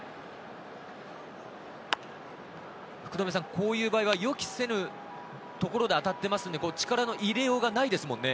こういう場合は予期せぬところで当たっていますので、力の入れようがないですもんね。